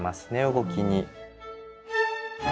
動きに。